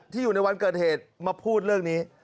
อยู่ในวันเกิดเหตุมาพูดเรื่องนี้